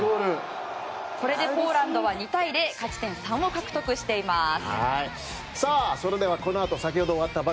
これでポーランドは２対０勝ち点３を獲得しています。